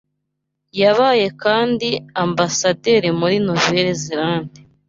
yabaye kandi ambasaderi muri Nuvere zerande